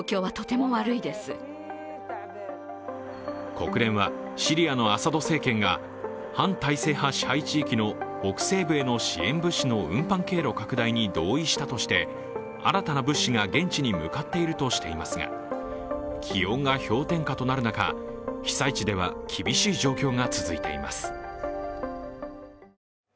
国連はシリアのアサド政権が反体制派支配地域の北西部への支援物資の運搬経路拡大に同意したとして新たな物資が現地に向かっているとしていますが、気温が氷点下となる中被災地では厳しい状況が続いています。